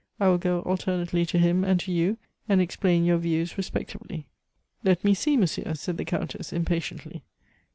I will go alternately to him and to you, and explain your views respectively." "Let me see, monsieur," said the Countess impatiently.